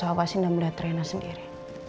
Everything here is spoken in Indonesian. awasin dan melihat rena sendiri